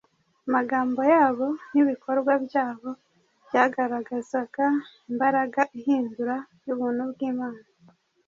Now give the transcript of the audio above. Amagambo yabo n’ibikorwa byabo byagaragazaga imbaraga ihindura y’ubuntu bw’Imana